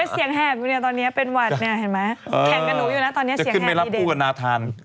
เห็นไหมแข่งกับหนูอยู่นะตอนเนี้ยเสียงแหบดีเด่นจะขึ้นไปรับผู้กับนาธาน